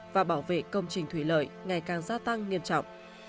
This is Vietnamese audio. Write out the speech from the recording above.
và bảo vệ công trình thủy lợi ngày càng gia tăng nghiêm trọng